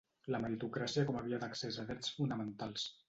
La meritocràcia com a via d'accés a drets fonamentals.